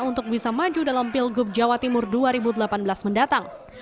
untuk bisa maju dalam pilgub jawa timur dua ribu delapan belas mendatang